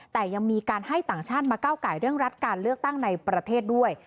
แต่ยังมีการให้ต่างชาติมาก้าวไก่เรื่องรัฐการเลือกตั้งในประเทศด้วย